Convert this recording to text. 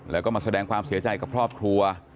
แล้วก็มาแสดงความเสียใจกับครอบครัว